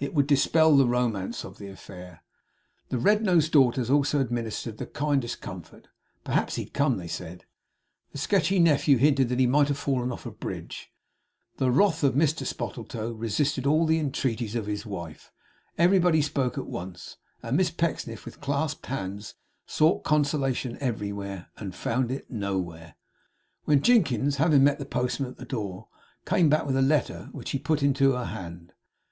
It would dispel the romance of the affair.' The red nosed daughters also administered the kindest comfort. 'Perhaps he'd come,' they said. The sketchy nephew hinted that he might have fallen off a bridge. The wrath of Mr Spottletoe resisted all the entreaties of his wife. Everybody spoke at once, and Miss Pecksniff, with clasped hands, sought consolation everywhere and found it nowhere, when Jinkins, having met the postman at the door, came back with a letter, which he put into her hand.